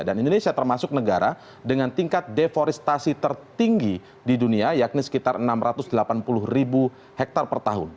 dan indonesia termasuk negara dengan tingkat deforestasi tertinggi di dunia yakni sekitar enam ratus delapan puluh ribu hektare per tahun